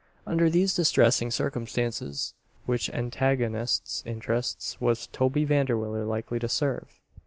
Under these distressing circumstances, which antagonist's interests was Toby Vanderwiller likely to serve?